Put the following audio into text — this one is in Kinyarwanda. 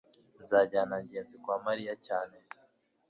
nzajyana ngenzi kwa mariya cyane